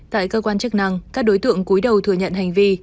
tại cơ quan chức năng các đối tượng cuối đầu thừa nhận hành vi